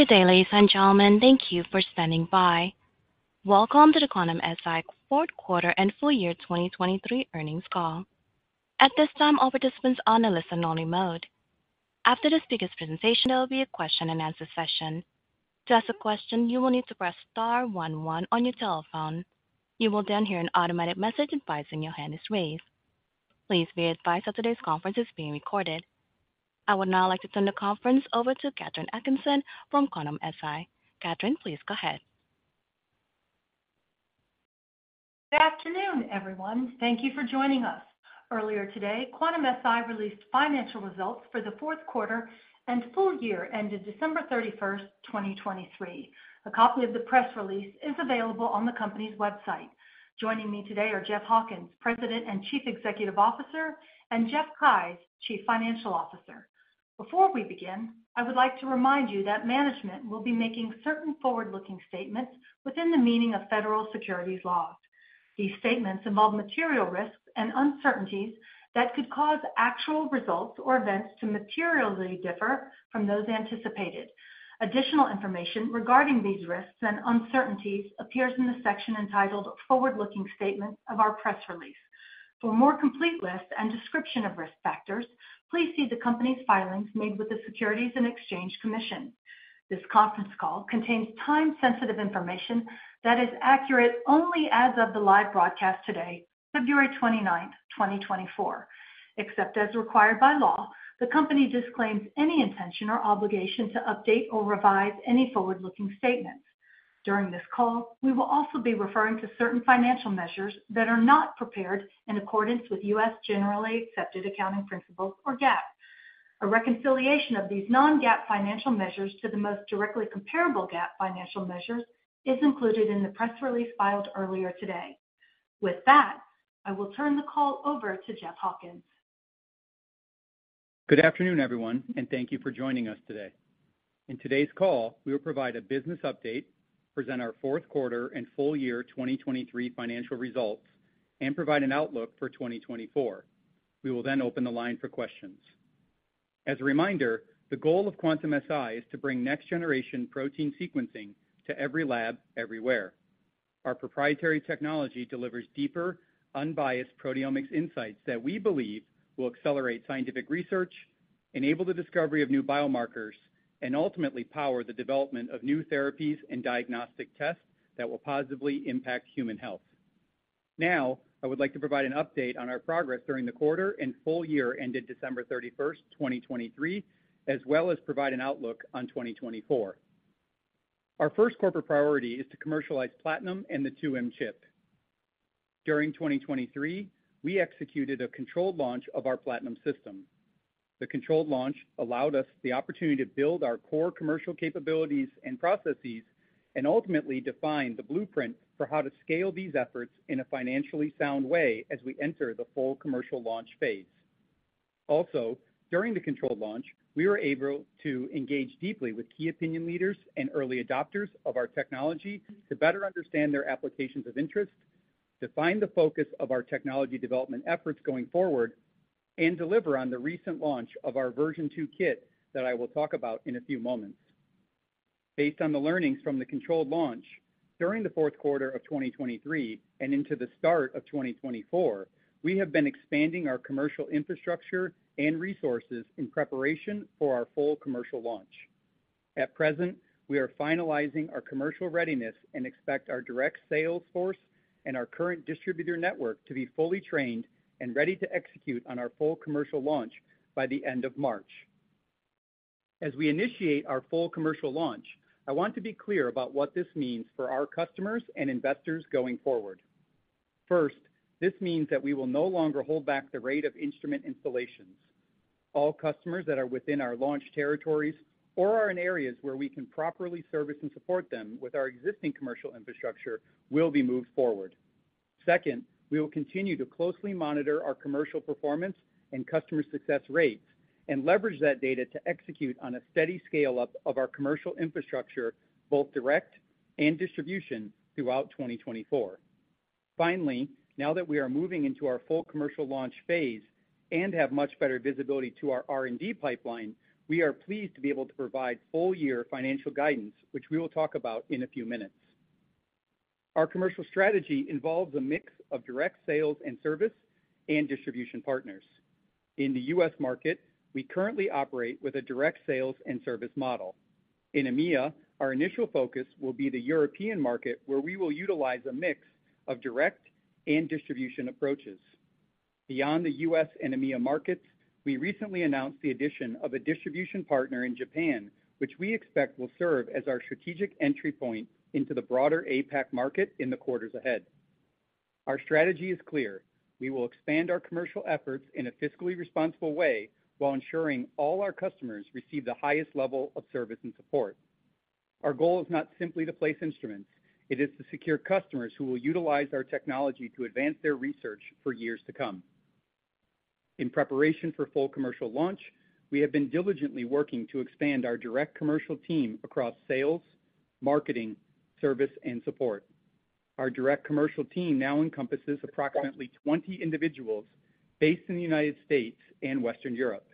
Good day, ladies and gentlemen. Thank you for standing by. Welcome to the Quantum-Si fourth quarter and full year 2023 earnings call. At this time, all participants are on a listen-only mode. After the speaker's presentation, there will be a question-and-answer session. To ask a question, you will need to press star one one on your telephone. You will then hear an automatic message advising your hand is raised. Please be advised that today's conference is being recorded. I would now like to turn the conference over to Katherine Atkinson from Quantum-Si. Katherine, please go ahead. Good afternoon, everyone. Thank you for joining us. Earlier today, Quantum-Si released financial results for the fourth quarter and full year ended December 31st, 2023. A copy of the press release is available on the company's website. Joining me today are Jeff Hawkins, President and Chief Executive Officer, and Jeff Keyes, Chief Financial Officer. Before we begin, I would like to remind you that management will be making certain forward-looking statements within the meaning of federal securities laws. These statements involve material risks and uncertainties that could cause actual results or events to materially differ from those anticipated. Additional information regarding these risks and uncertainties appears in the section entitled Forward-Looking Statements of Our Press Release. For a more complete list and description of risk factors, please see the company's filings made with the Securities and Exchange Commission. This conference call contains time-sensitive information that is accurate only as of the live broadcast today, February 29th, 2024. Except as required by law, the company disclaims any intention or obligation to update or revise any forward-looking statements. During this call, we will also be referring to certain financial measures that are not prepared in accordance with U.S. generally accepted accounting principles or GAAP. A reconciliation of these non-GAAP financial measures to the most directly comparable GAAP financial measures is included in the press release filed earlier today. With that, I will turn the call over to Jeff Hawkins. Good afternoon, everyone, and thank you for joining us today. In today's call, we will provide a business update, present our fourth quarter and full year 2023 financial results, and provide an outlook for 2024. We will then open the line for questions. As a reminder, the goal of Quantum-Si is to bring next-generation protein sequencing to every lab, everywhere. Our proprietary technology delivers deeper, unbiased proteomics insights that we believe will accelerate scientific research, enable the discovery of new biomarkers, and ultimately power the development of new therapies and diagnostic tests that will positively impact human health. Now, I would like to provide an update on our progress during the quarter and full year ended December 31st, 2023, as well as provide an outlook on 2024. Our first corporate priority is to commercialize Platinum and the 2M chip. During 2023, we executed a controlled launch of our Platinum system. The controlled launch allowed us the opportunity to build our core commercial capabilities and processes and ultimately define the blueprint for how to scale these efforts in a financially sound way as we enter the full commercial launch phase. Also, during the controlled launch, we were able to engage deeply with key opinion leaders and early adopters of our technology to better understand their applications of interest, define the focus of our technology development efforts going forward, and deliver on the recent launch of our Version 2 kit that I will talk about in a few moments. Based on the learnings from the controlled launch during the fourth quarter of 2023 and into the start of 2024, we have been expanding our commercial infrastructure and resources in preparation for our full commercial launch. At present, we are finalizing our commercial readiness and expect our direct sales force and our current distributor network to be fully trained and ready to execute on our full commercial launch by the end of March. As we initiate our full commercial launch, I want to be clear about what this means for our customers and investors going forward. First, this means that we will no longer hold back the rate of instrument installations. All customers that are within our launch territories or are in areas where we can properly service and support them with our existing commercial infrastructure will be moved forward. Second, we will continue to closely monitor our commercial performance and customer success rates and leverage that data to execute on a steady scale-up of our commercial infrastructure, both direct and distribution, throughout 2024. Finally, now that we are moving into our full commercial launch phase and have much better visibility to our R&D pipeline, we are pleased to be able to provide full-year financial guidance, which we will talk about in a few minutes. Our commercial strategy involves a mix of direct sales and service and distribution partners. In the U.S. market, we currently operate with a direct sales and service model. In EMEA, our initial focus will be the European market, where we will utilize a mix of direct and distribution approaches. Beyond the U.S. and EMEA markets, we recently announced the addition of a distribution partner in Japan, which we expect will serve as our strategic entry point into the broader APAC market in the quarters ahead. Our strategy is clear. We will expand our commercial efforts in a fiscally responsible way while ensuring all our customers receive the highest level of service and support. Our goal is not simply to place instruments. It is to secure customers who will utilize our technology to advance their research for years to come. In preparation for full commercial launch, we have been diligently working to expand our direct commercial team across sales, marketing, service, and support. Our direct commercial team now encompasses approximately 20 individuals based in the United States and Western Europe.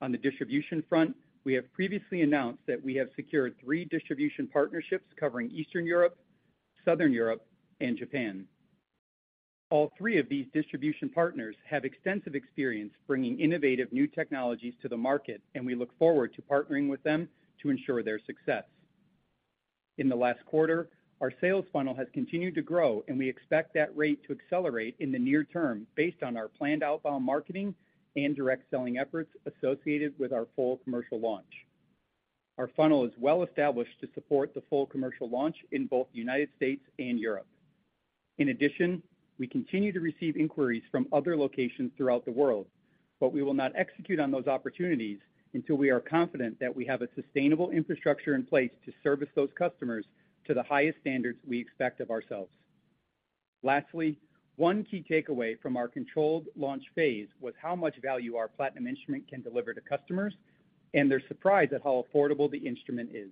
On the distribution front, we have previously announced that we have secured 3 distribution partnerships covering Eastern Europe, Southern Europe, and Japan. All three of these distribution partners have extensive experience bringing innovative new technologies to the market, and we look forward to partnering with them to ensure their success. In the last quarter, our sales funnel has continued to grow, and we expect that rate to accelerate in the near term based on our planned outbound marketing and direct selling efforts associated with our full commercial launch. Our funnel is well established to support the full commercial launch in both the United States and Europe. In addition, we continue to receive inquiries from other locations throughout the world, but we will not execute on those opportunities until we are confident that we have a sustainable infrastructure in place to service those customers to the highest standards we expect of ourselves. Lastly, one key takeaway from our controlled launch phase was how much value our Platinum instrument can deliver to customers and their surprise at how affordable the instrument is.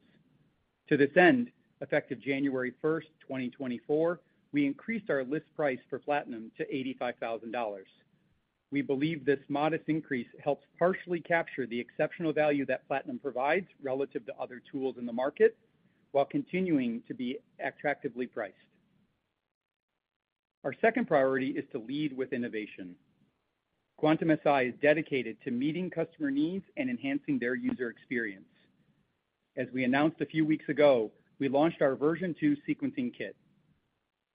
To this end, effective January 1st, 2024, we increased our list price for Platinum to $85,000. We believe this modest increase helps partially capture the exceptional value that Platinum provides relative to other tools in the market while continuing to be attractively priced. Our second priority is to lead with innovation. Quantum-Si is dedicated to meeting customer needs and enhancing their user experience. As we announced a few weeks ago, we launched our Version 2 Sequencing Kit.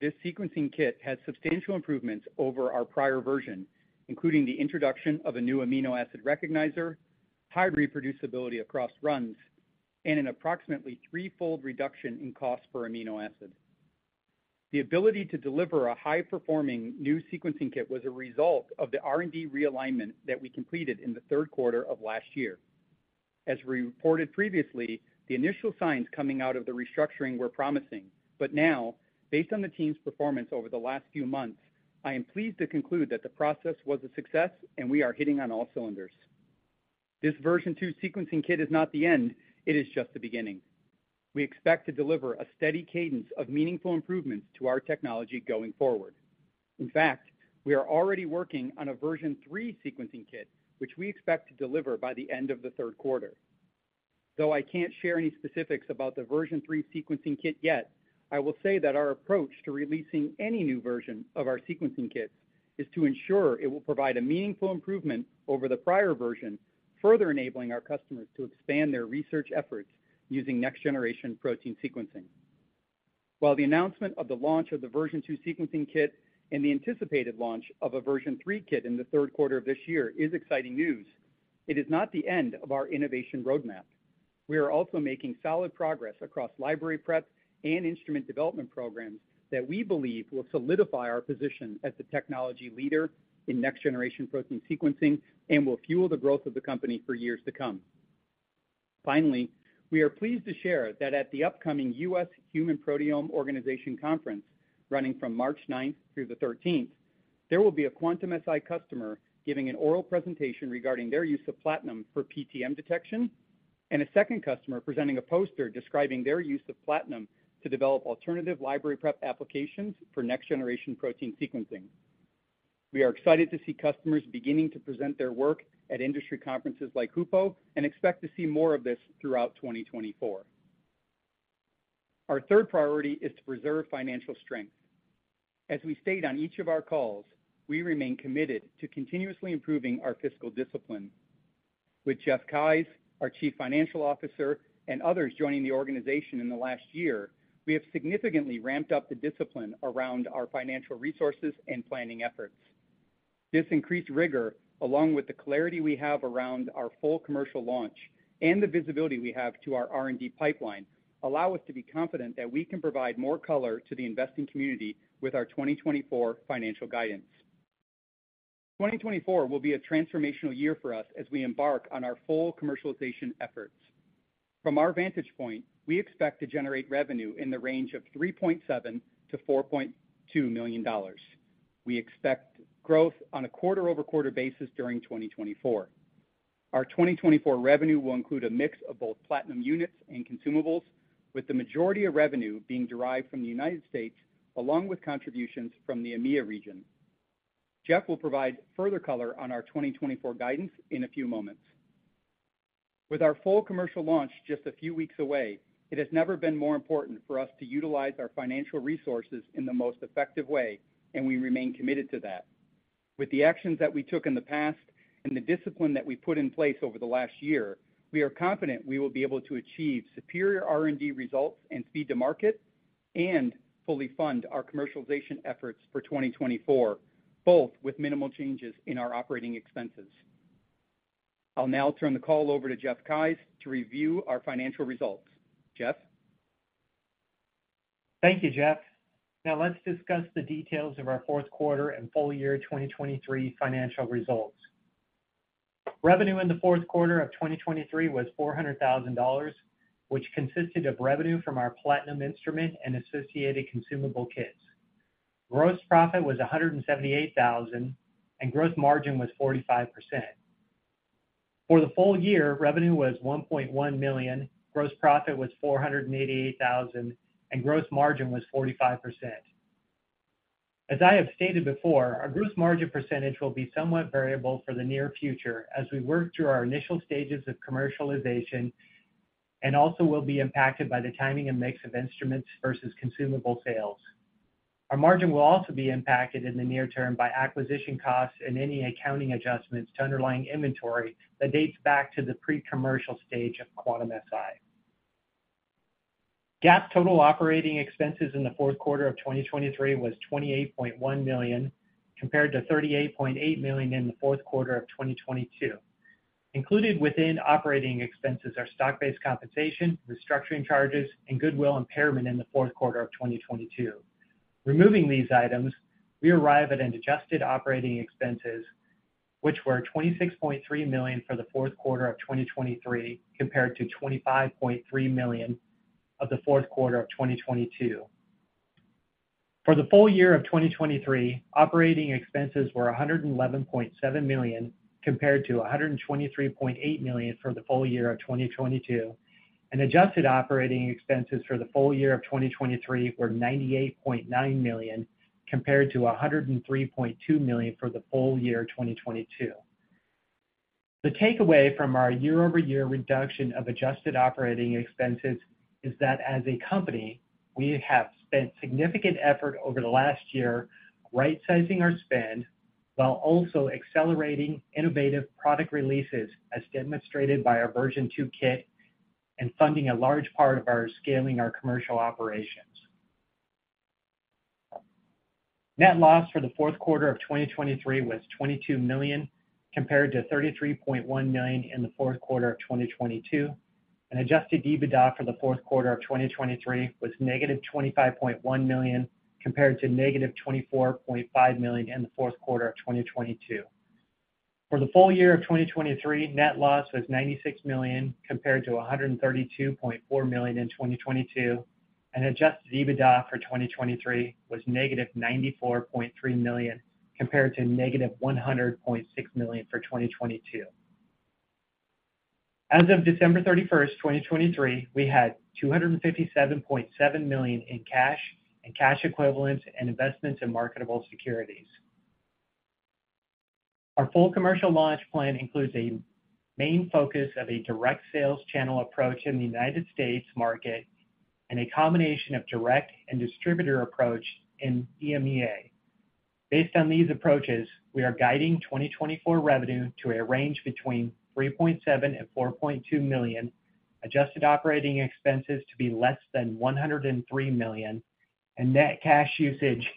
This sequencing kit has substantial improvements over our prior version, including the introduction of a new amino acid recognizer, higher reproducibility across runs, and an approximately threefold reduction in cost per amino acid. The ability to deliver a high-performing new sequencing kit was a result of the R&D realignment that we completed in the third quarter of last year. As we reported previously, the initial signs coming out of the restructuring were promising. Now, based on the team's performance over the last few months, I am pleased to conclude that the process was a success, and we are hitting on all cylinders. This Version 2 sequencing kit is not the end. It is just the beginning. We expect to deliver a steady cadence of meaningful improvements to our technology going forward. In fact, we are already working on a Version 3 sequencing kit, which we expect to deliver by the end of the third quarter. Though I can't share any specifics about the Version 3 sequencing kit yet, I will say that our approach to releasing any new version of our sequencing kits is to ensure it will provide a meaningful improvement over the prior version, further enabling our customers to expand their research efforts using next-generation protein sequencing. While the announcement of the launch of the Version 2 Sequencing Kit and the anticipated launch of a Version 3 kit in the third quarter of this year is exciting news, it is not the end of our innovation roadmap. We are also making solid progress across library prep and instrument development programs that we believe will solidify our position as the technology leader in next-generation protein sequencing and will fuel the growth of the company for years to come. Finally, we are pleased to share that at the upcoming U.S. Human Proteome Organization Conference running from March 9th through the 13th, there will be a Quantum-Si customer giving an oral presentation regarding their use of Platinum for PTM detection, and a second customer presenting a poster describing their use of Platinum to develop alternative library prep applications for next-generation protein sequencing. We are excited to see customers beginning to present their work at industry conferences like HUPO and expect to see more of this throughout 2024. Our third priority is to preserve financial strength. As we stated on each of our calls, we remain committed to continuously improving our fiscal discipline. With Jeff Keyes, our Chief Financial Officer, and others joining the organization in the last year, we have significantly ramped up the discipline around our financial resources and planning efforts. This increased rigor, along with the clarity we have around our full commercial launch and the visibility we have to our R&D pipeline, allows us to be confident that we can provide more color to the investing community with our 2024 financial guidance. 2024 will be a transformational year for us as we embark on our full commercialization efforts. From our vantage point, we expect to generate revenue in the range of $3.7 million-$4.2 million. We expect growth on a quarter-over-quarter basis during 2024. Our 2024 revenue will include a mix of both Platinum units and consumables, with the majority of revenue being derived from the United States along with contributions from the EMEA region. Jeff will provide further color on our 2024 guidance in a few moments. With our full commercial launch just a few weeks away, it has never been more important for us to utilize our financial resources in the most effective way, and we remain committed to that. With the actions that we took in the past and the discipline that we put in place over the last year, we are confident we will be able to achieve superior R&D results and speed to market and fully fund our commercialization efforts for 2024, both with minimal changes in our operating expenses. I'll now turn the call over to Jeff Keyes to review our financial results. Jeff? Thank you, Jeff. Now, let's discuss the details of our fourth quarter and full year 2023 financial results. Revenue in the fourth quarter of 2023 was $400,000, which consisted of revenue from our Platinum instrument and associated consumable kits. Gross profit was $178,000, and gross margin was 45%. For the full year, revenue was $1.1 million, gross profit was $488,000, and gross margin was 45%. As I have stated before, our gross margin percentage will be somewhat variable for the near future as we work through our initial stages of commercialization and also will be impacted by the timing and mix of instruments versus consumable sales. Our margin will also be impacted in the near term by acquisition costs and any accounting adjustments to underlying inventory that dates back to the pre-commercial stage of Quantum-Si. GAAP total operating expenses in the fourth quarter of 2023 was $28.1 million compared to $38.8 million in the fourth quarter of 2022. Included within operating expenses are stock-based compensation, restructuring charges, and goodwill impairment in the fourth quarter of 2022. Removing these items, we arrive at an adjusted operating expenses, which were $26.3 million for the fourth quarter of 2023 compared to $25.3 million of the fourth quarter of 2022. For the full year of 2023, operating expenses were $111.7 million compared to $123.8 million for the full year of 2022, and adjusted operating expenses for the full year of 2023 were $98.9 million compared to $103.2 million for the full year 2022. The takeaway from our year-over-year reduction of Adjusted operating expenses is that, as a company, we have spent significant effort over the last year right-sizing our spend while also accelerating innovative product releases, as demonstrated by our Version 2 kit, and funding a large part of our scaling our commercial operations. Net loss for the fourth quarter of 2023 was $22 million compared to $33.1 million in the fourth quarter of 2022, and Adjusted EBITDA for the fourth quarter of 2023 was negative $25.1 million compared to negative $24.5 million in the fourth quarter of 2022. For the full year of 2023, net loss was $96 million compared to $132.4 million in 2022, and Adjusted EBITDA for 2023 was negative $94.3 million compared to negative $100.6 million for 2022. As of December 31st, 2023, we had $257.7 million in cash and cash equivalents and investments in marketable securities. Our full commercial launch plan includes a main focus of a direct sales channel approach in the United States market and a combination of direct and distributor approach in EMEA. Based on these approaches, we are guiding 2024 revenue to a range between $3.7 million-$4.2 million, adjusted operating expenses to be less than $103 million, and net cash usage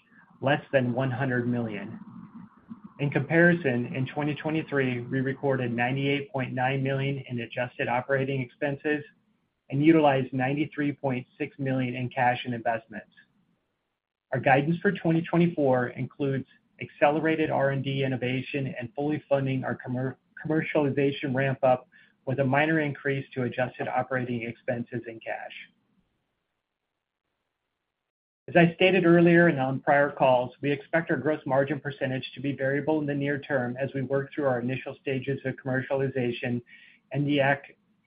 less than $100 million. In comparison, in 2023, we recorded $98.9 million in adjusted operating expenses and utilized $93.6 million in cash and investments. Our guidance for 2024 includes accelerated R&D innovation and fully funding our commercialization ramp-up with a minor increase to adjusted operating expenses in cash. As I stated earlier and on prior calls, we expect our gross margin percentage to be variable in the near term as we work through our initial stages of commercialization and the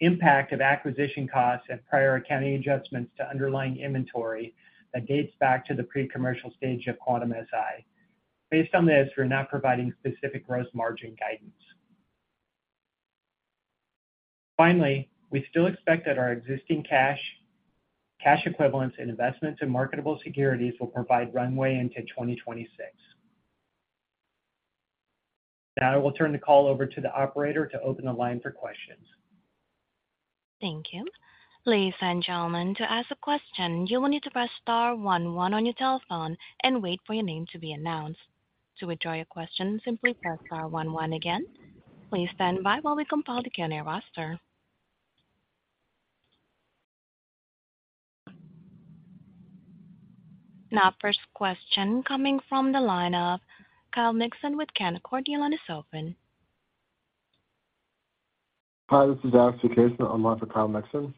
impact of acquisition costs and prior accounting adjustments to underlying inventory that dates back to the pre-commercial stage of Quantum-Si. Based on this, we're not providing specific gross margin guidance. Finally, we still expect that our existing cash, cash equivalents, and investments in marketable securities will provide runway into 2026. Now, I will turn the call over to the operator to open the line for questions. Thank you. Ladies and gentlemen, to ask a question, you will need to press star one one on your telephone and wait for your name to be announced. To withdraw your question, simply press star one one again. Please stand by while we compile the Q&A roster. Now, first question coming from the line of Kyle Mikson with Canaccord Genuity. Hi, this is Alex Casey on line for Kyle Mikson.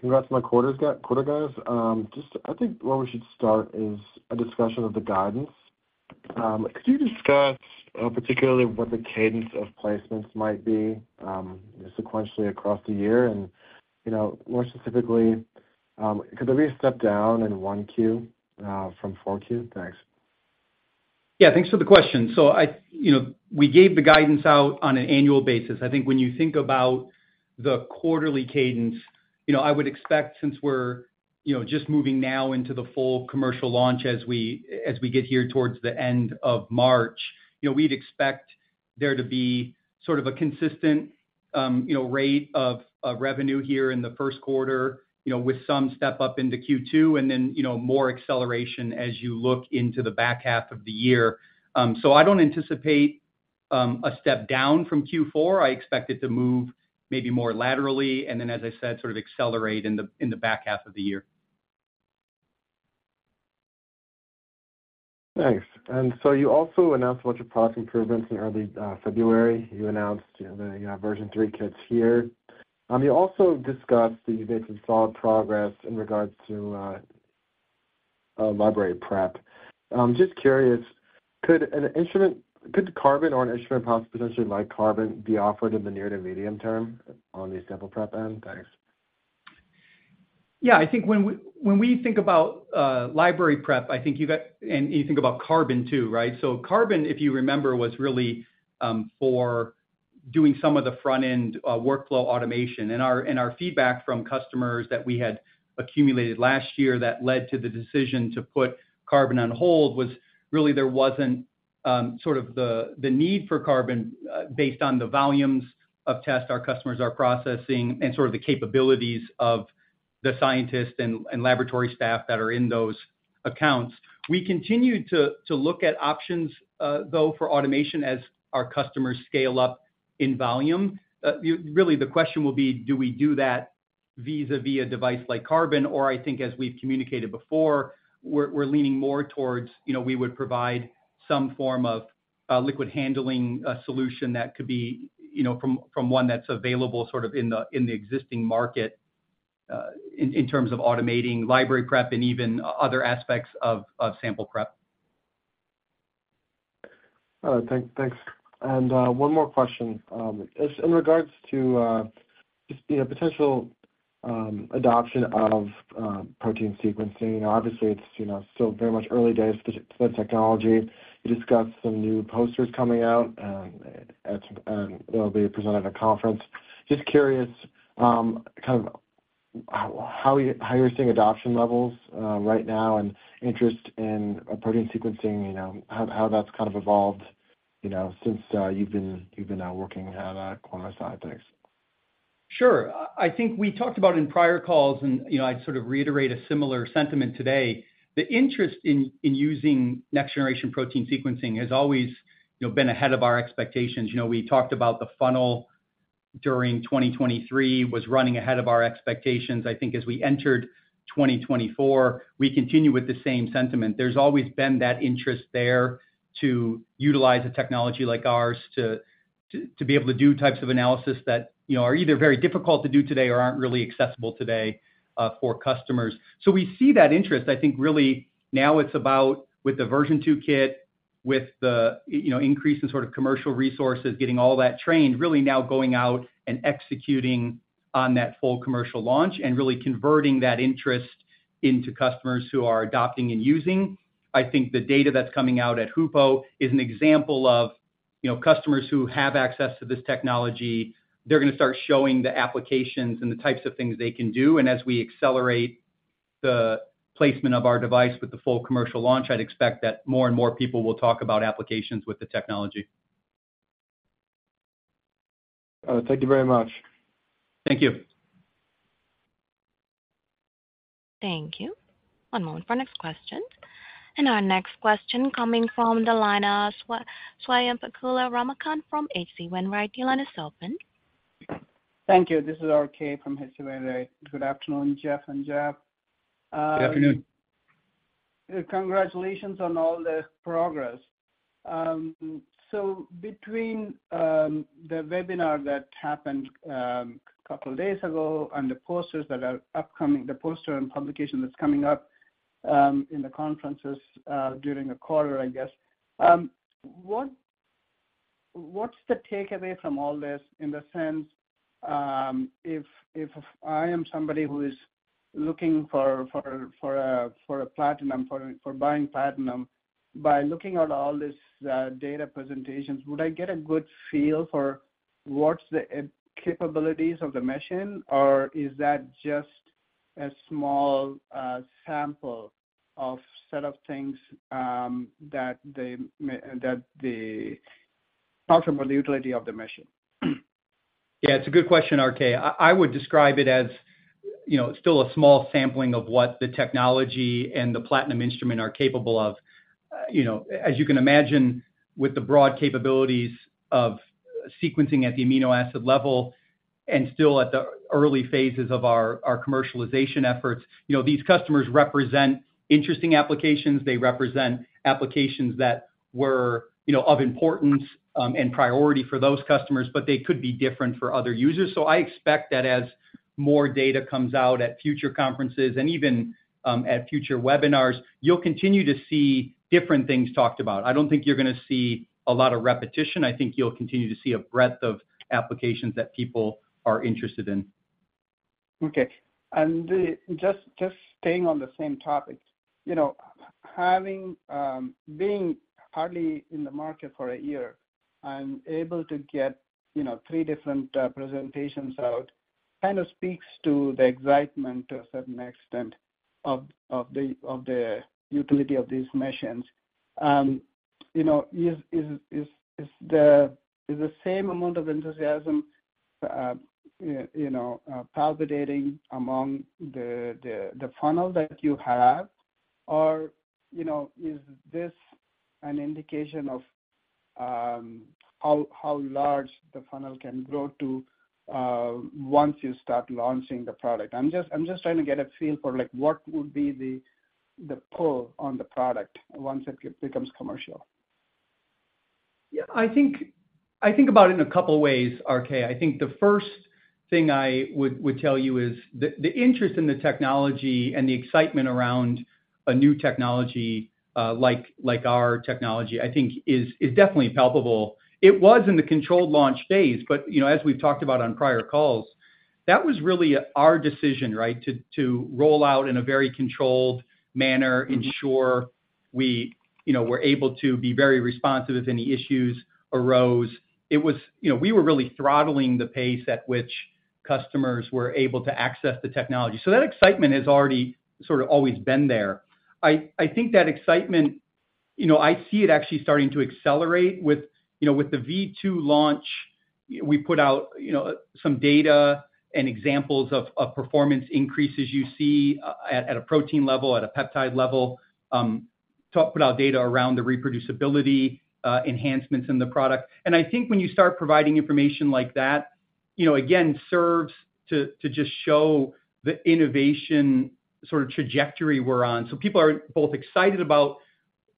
Congrats on the quarter, guys. Just I think where we should start is a discussion of the guidance. Could you discuss particularly what the cadence of placements might be sequentially across the year? And more specifically, could there be a step down in Q1 from Q4? Thanks. Yeah, thanks for the question. So we gave the guidance out on an annual basis. I think when you think about the quarterly cadence, I would expect, since we're just moving now into the full commercial launch as we get here towards the end of March, we'd expect there to be sort of a consistent rate of revenue here in the first quarter with some step up into Q2 and then more acceleration as you look into the back half of the year. So I don't anticipate a step down from Q4. I expect it to move maybe more laterally and then, as I said, sort of accelerate in the back half of the year. Thanks. And so you also announced a bunch of product improvements in early February. You announced the Version 3 kits here. You also discussed that you've made some solid progress in regards to library prep. Just curious, could Carbon or an instrument possibly potentially like Carbon be offered in the near to medium term on the sample prep end? Thanks. Yeah, I think when we think about library prep, I think you got and you think about Carbon too, right? So Carbon, if you remember, was really for doing some of the front-end workflow automation. Our feedback from customers that we had accumulated last year that led to the decision to put Carbon on hold was really there wasn't sort of the need for Carbon based on the volumes of tests our customers are processing and sort of the capabilities of the scientists and laboratory staff that are in those accounts. We continue to look at options, though, for automation as our customers scale up in volume. Really, the question will be, do we do that vis-à-vis a device like Carbon? Or, I think, as we've communicated before, we're leaning more towards we would provide some form of liquid handling solution that could be from one that's available sort of in the existing market in terms of automating library prep and even other aspects of sample prep. Thanks. And one more question. In regards to just potential adoption of protein sequencing, obviously, it's still very much early days for the technology. You discussed some new posters coming out and they'll be presented at a conference. Just curious kind of how you're seeing adoption levels right now and interest in protein sequencing, how that's kind of evolved since you've been working at Quantum-Si. Thanks. Sure. I think we talked about in prior calls, and I'd sort of reiterate a similar sentiment today. The interest in using next-generation protein sequencing has always been ahead of our expectations. We talked about the funnel during 2023 was running ahead of our expectations. I think as we entered 2024, we continue with the same sentiment. There's always been that interest there to utilize a technology like ours to be able to do types of analysis that are either very difficult to do today or aren't really accessible today for customers. So we see that interest. I think really now it's about with the Version 2 kit, with the increase in sort of commercial resources, getting all that trained, really now going out and executing on that full commercial launch and really converting that interest into customers who are adopting and using. I think the data that's coming out at HUPO is an example of customers who have access to this technology, they're going to start showing the applications and the types of things they can do. And as we accelerate the placement of our device with the full commercial launch, I'd expect that more and more people will talk about applications with the technology. Thank you very much. Thank you. Thank you. One moment for next question. Our next question coming from the line of Swayampakula Ramakanth from H.C. Wainwright. The line is open. Thank you. This is RK from H.C. Wainwright. Good afternoon, Jeff and Jeff. Good afternoon. Congratulations on all the progress. So between the webinar that happened a couple of days ago and the posters that are upcoming, the poster and publication that's coming up in the conferences during a quarter, I guess, what's the takeaway from all this in the sense if I am somebody who is looking for a Platinum, for buying Platinum, by looking at all these data presentations, would I get a good feel for what's the capabilities of the machine? Or is that just a small sample of set of things that they talked about the utility of the machine? Yeah, it's a good question, RK. I would describe it as still a small sampling of what the technology and the Platinum instrument are capable of. As you can imagine, with the broad capabilities of sequencing at the amino acid level and still at the early phases of our commercialization efforts, these customers represent interesting applications. They represent applications that were of importance and priority for those customers, but they could be different for other users. So I expect that as more data comes out at future conferences and even at future webinars, you'll continue to see different things talked about. I don't think you're going to see a lot of repetition. I think you'll continue to see a breadth of applications that people are interested in. Okay. Just staying on the same topic, being hardly in the market for a year and able to get three different presentations out kind of speaks to the excitement to a certain extent of the utility of these machines. Is the same amount of enthusiasm palpitating among the funnel that you have? Or is this an indication of how large the funnel can grow to once you start launching the product? I'm just trying to get a feel for what would be the pull on the product once it becomes commercial. Yeah, I think about it in a couple of ways, RK. I think the first thing I would tell you is the interest in the technology and the excitement around a new technology like our technology, I think, is definitely palpable. It was in the controlled launch phase, but as we've talked about on prior calls, that was really our decision, right, to roll out in a very controlled manner, ensure we were able to be very responsive if any issues arose. We were really throttling the pace at which customers were able to access the technology. So that excitement has sort of always been there. I think that excitement, I see it actually starting to accelerate with the V2 launch. We put out some data and examples of performance increases you see at a protein level, at a peptide level, put out data around the reproducibility enhancements in the product. I think when you start providing information like that, again, serves to just show the innovation sort of trajectory we're on. People are both excited about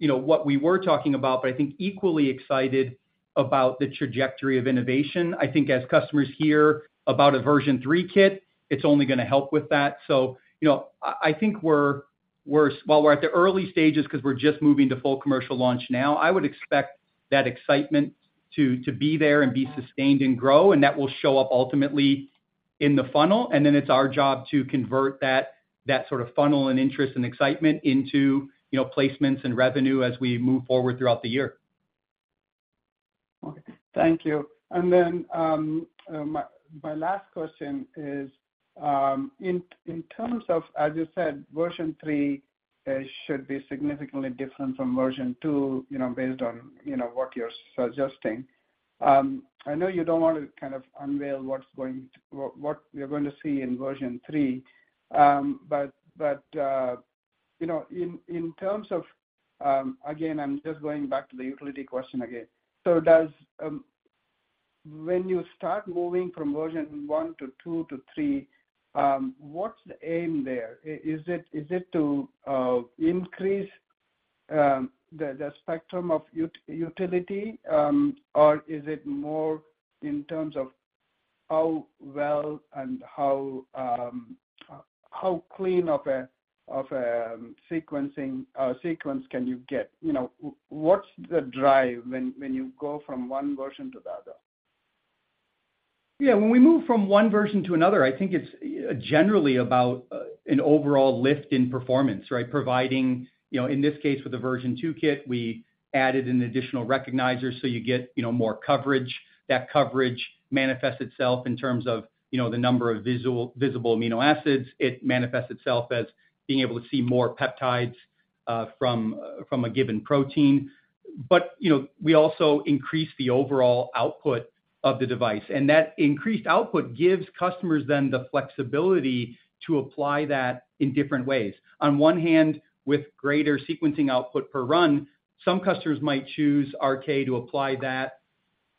what we were talking about, but I think equally excited about the trajectory of innovation. I think as customers hear about a Version 3 kit, it's only going to help with that. I think while we're at the early stages because we're just moving to full commercial launch now, I would expect that excitement to be there and be sustained and grow. That will show up ultimately in the funnel. And then it's our job to convert that sort of funnel and interest and excitement into placements and revenue as we move forward throughout the year. Okay. Thank you. And then my last question is, in terms of, as you said, Version 3 should be significantly different from Version 2 based on what you're suggesting. I know you don't want to kind of unveil what we're going to see in Version 3, but in terms of, again, I'm just going back to the utility question again. So when you start moving from Version 1 to 2 to 3, what's the aim there? Is it to increase the spectrum of utility, or is it more in terms of how well and how clean of a sequencing sequence can you get? What's the drive when you go from one version to the other? Yeah, when we move from one version to another, I think it's generally about an overall lift in performance, right? Providing, in this case, with the Version 2 kit, we added an additional recognizer so you get more coverage. That coverage manifests itself in terms of the number of visible amino acids. It manifests itself as being able to see more peptides from a given protein. But we also increase the overall output of the device. And that increased output gives customers then the flexibility to apply that in different ways. On one hand, with greater sequencing output per run, some customers might choose RK to apply that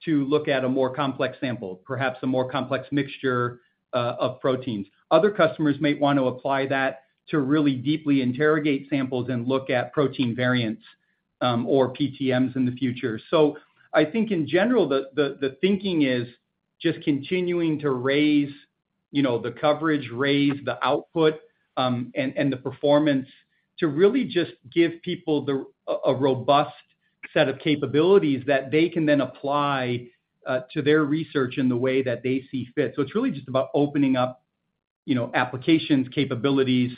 to look at a more complex sample, perhaps a more complex mixture of proteins. Other customers might want to apply that to really deeply interrogate samples and look at protein variants or PTMs in the future. So, I think, in general, the thinking is just continuing to raise the coverage, raise the output, and the performance to really just give people a robust set of capabilities that they can then apply to their research in the way that they see fit. So it's really just about opening up applications, capabilities,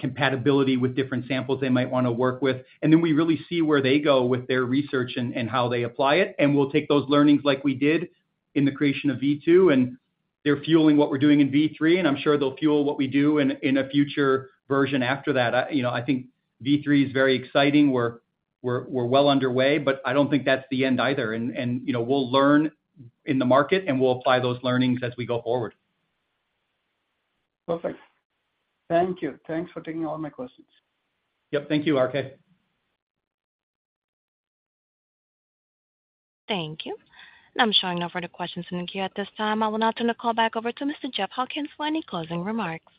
compatibility with different samples they might want to work with. And then we really see where they go with their research and how they apply it. And we'll take those learnings like we did in the creation of V2. And they're fueling what we're doing in V3, and I'm sure they'll fuel what we do in a future version after that. I think V3 is very exciting. We're well underway, but I don't think that's the end either. And we'll learn in the market, and we'll apply those learnings as we go forward. Perfect. Thank you. Thanks for taking all my questions. Yep. Thank you, RK. Thank you. I'm showing no further questions in the queue at this time. I will now turn the call back over to Mr. Jeff Hawkins for any closing remarks.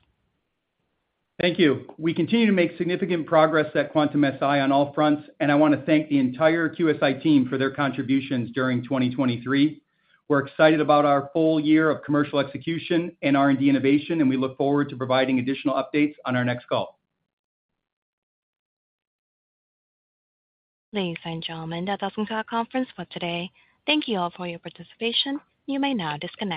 Thank you. We continue to make significant progress at Quantum-Si on all fronts. I want to thank the entire QSI team for their contributions during 2023. We're excited about our full year of commercial execution and R&D innovation, and we look forward to providing additional updates on our next call. Please enjoy the end of the Quantum-Si conference for today. Thank you all for your participation. You may now disconnect.